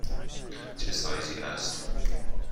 چه سایزی است؟